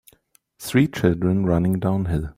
Three children running downhill